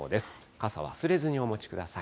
傘忘れずにお持ちください。